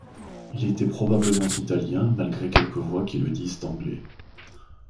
Il était probablement italien, malgré quelques voix qui le disent anglais.